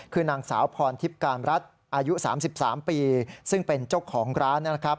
คือนางสาวพรทิพย์การรัฐอายุ๓๓ปีซึ่งเป็นเจ้าของร้านนะครับ